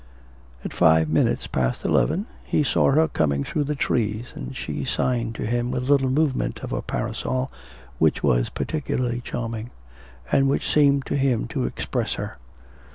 At five minutes past eleven he saw her coming through the trees, and she signed to him with a little movement of her parasol, which was particularly charming, and which seemed to him to express her.